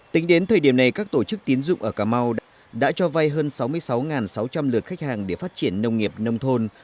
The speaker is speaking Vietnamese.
tính đến thời điểm này các tổ chức tiến dụng ở cà mau đã cho vay hơn sáu mươi sáu sáu trăm linh lượt khách hàng để phát triển nông nghiệp nông thôn